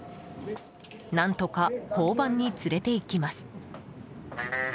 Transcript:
何とか交番に連れて行きます。